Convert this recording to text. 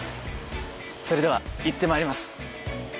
それでは行ってまいります。